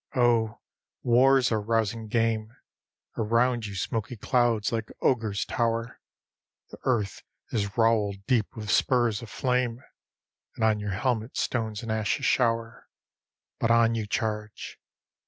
_ Oh, War's a rousing game! Around you smoky clouds like ogres tower; The earth is rowelled deep with spurs of flame, And on your helmet stones and ashes shower. _BUT ON YOU CHARGE.